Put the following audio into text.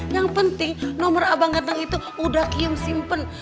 yang penting nomor abang abang itu udah kiem simpen